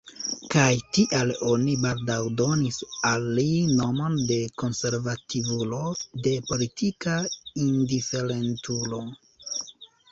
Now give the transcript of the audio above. Kaj tial oni baldaŭ donis al li nomon de konservativulo, de politika indiferentulo.